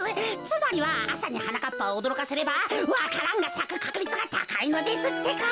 つまりはあさにはなかっぱをおどろかせればわか蘭がさくかくりつがたかいのですってか。